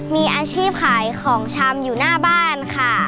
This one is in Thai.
มีอาชีพขายของชำอยู่หน้าบ้านค่ะ